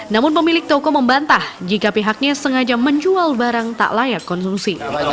namun pemilik toko membantah jika pihaknya sengaja menjual barang tak layak konsumsi